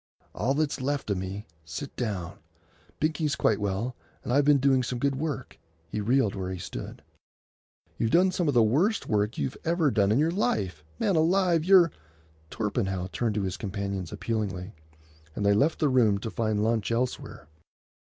"All that's left of me. Sit down. Binkie's quite well, and I've been doing some good work." He reeled where he stood. "You've done some of the worst work you've ever done in your life. Man alive, you're——" Torpenhow turned to his companions appealingly, and they left the room to find lunch elsewhere.